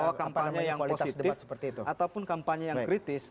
bahwa kampanye yang positif ataupun kampanye yang kritis